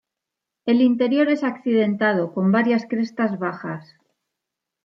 El interior es accidentado, con varias crestas bajas.